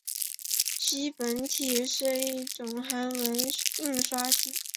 基本体是一种韩文印刷体。